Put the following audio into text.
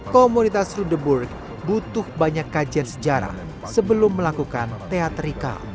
komunitas rudeburg butuh banyak kajian sejarah sebelum melakukan teatrika